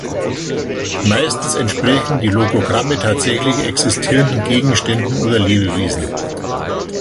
Meistens entsprechen die Logogramme tatsächlich existierenden Gegenständen oder Lebewesen.